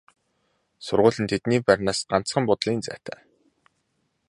Сургууль нь тэдний байрнаас ганцхан буудлын зайтай.